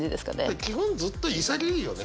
基本ずっと潔いよね。